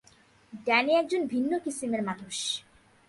Danny একজন ভিন্ন কিসিমের মানুষ।